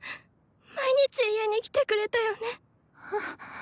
毎日家に来てくれたよね。